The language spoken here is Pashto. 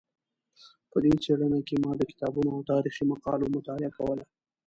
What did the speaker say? په دې څېړنه کې ما د کتابونو او تاریخي مقالو مطالعه کوله.